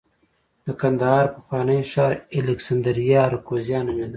د کندهار پخوانی ښار الکسندریه اراکوزیا نومېده